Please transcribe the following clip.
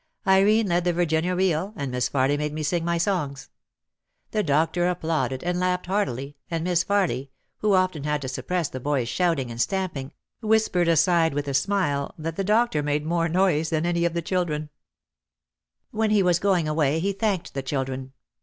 Irene led the Virginia reel and Miss Farly made me sing my songs. The doctor applauded and laughed heartily and Miss Farly, who often had to suppress the boys' shouting and stamping, whispered aside with a smile that the doctor made more noise than any of the children. 270 OUT OF THE SHADOW When he was going away he thanked the children.